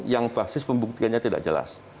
yang basis pembuktiannya tidak jelas